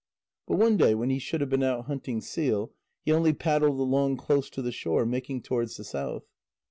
But one day when he should have been out hunting seal, he only paddled along close to the shore, making towards the south.